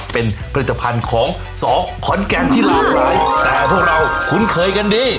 เป็นผลิตภัณฑ์ของสอขอนแกนที่หลากหลายแต่พวกเราคุ้นเคยกันดี